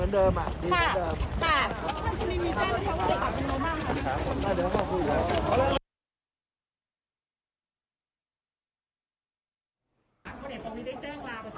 ค่ะค่ะ